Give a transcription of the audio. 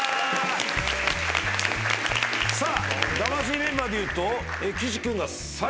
さあ魂メンバーでいうと岸君が埼玉。